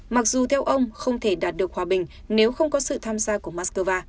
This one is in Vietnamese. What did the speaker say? mặc dù theo ông không thể đạt được hòa bình nếu không có sự tham gia của moscow